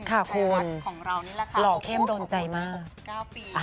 ค่ะคุณหล่อเข้มโดนใจมาก๖๙ปี